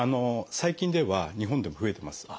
最近では日本でも増えてます。